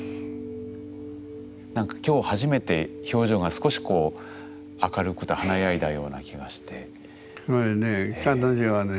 なんか今日初めて表情が少しこう明るく華やいだような気がして。